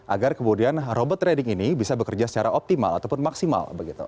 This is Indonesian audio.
agar kemudian robot trading ini bisa bekerja secara optimal ataupun maksimal